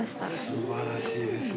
すばらしいですね。